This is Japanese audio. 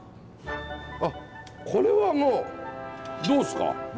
あこれはもうどうっすか？